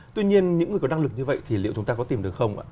tuy nhiên những người có năng lực như vậy thì liệu chúng ta có tìm được không ạ